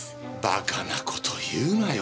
バカな事言うなよ。